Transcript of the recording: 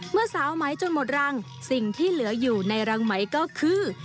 เมื่อสาวไหมจนหมดรังสิ่งที่เหลืออยู่ในรังไหมก็คือ